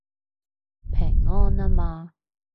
平安吖嘛